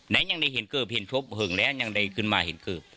ยังได้เห็นเกือบเห็นพบเหิ่งแล้วยังได้ขึ้นมาเห็นเกือบ